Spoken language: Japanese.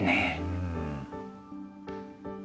うん。